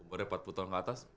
udah empat puluh tahun ke atas